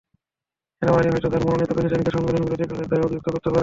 সেনাবাহিনী হয়তো তাঁর মনোনীত প্রেসিডেন্টকে সংবিধানবিরোধী কাজের দায়ে অভিযুক্ত করতে পারে।